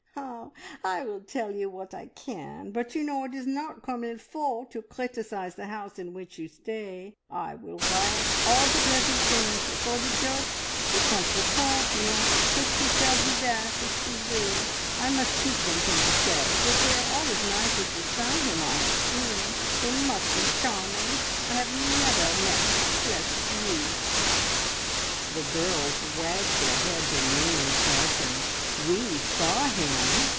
"I will tell you what I can, but you know it is not comme il faut to criticise the house, in which you stay. I will write all the pleasant things, but for the jokes the contretemps, no! Pixie shall do that if she will, I must keep them to myself. If they are all as nice as the son whom I have seen, they must be charming. I have never met a more pleasant youth." The girls wagged their heads in meaning fashion. "We saw him!"